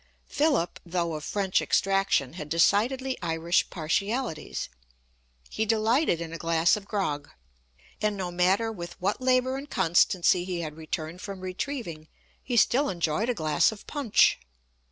Philip, though of French extraction, had decidedly Irish partialities. He delighted in a glass of grog; and no matter with what labour and constancy he had returned from retrieving, he still enjoyed a glass of punch.